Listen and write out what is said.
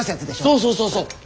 そうそうそうそう。